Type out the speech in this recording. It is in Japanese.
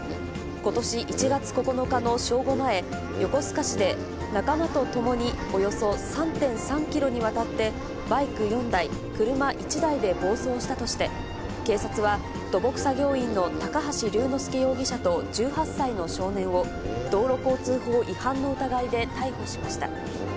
ことし１月９日の正午前、横須賀市で仲間と共におよそ３．３キロにわたって、バイク４台、車１台で暴走したとして、警察は土木作業員の高橋隆之介容疑者と１８歳の少年を道路交通法違反の疑いで逮捕しました。